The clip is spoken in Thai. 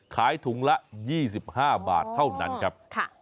ขายถุงละ๒๕บาทเท่านั้นครับ